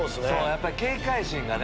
やっぱり警戒心がね。